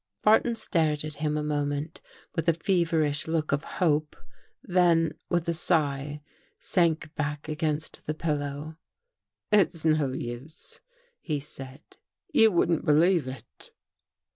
Barton stared at him a moment with a feverish look of hope, then, with a sigh, sank back against the pillow. " It's no use," he said. " You wouldn't believe it."